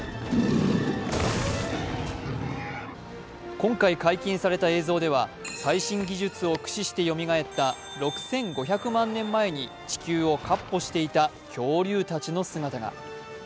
今回解禁された映像では、最新技術を駆使してよみがえった６５００万年前に地球をかっ歩していた恐竜たちの姿が。